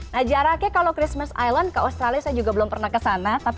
nah jaraknya kalau christmas island ke australia saya juga belum pernah kesana